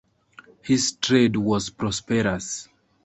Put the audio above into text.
His trade was prosperous.